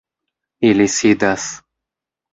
Ili sidas.